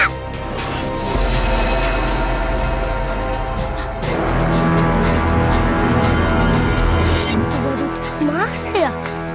hantu badut masa ya